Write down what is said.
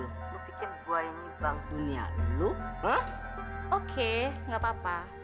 lu bikin gue ini bank dunia lu oke nggak apa apa